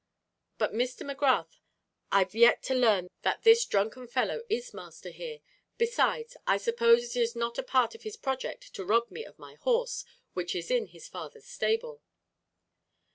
"But, Mr. McGrath, I've yet to learn that this drunken fellow is master here; besides, I suppose it is not a part of his project to rob me of my horse, which is in his father's stable."